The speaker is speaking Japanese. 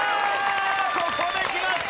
ここできました。